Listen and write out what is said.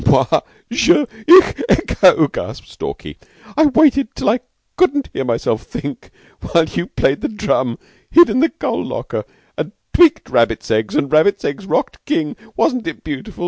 "Moi! Je! Ich! Ego!" gasped Stalky. "I waited till I couldn't hear myself think, while you played the drum! Hid in the coal locker and tweaked Rabbits Eggs and Rabbits Eggs rocked King. Wasn't it beautiful?